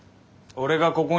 俺がここを。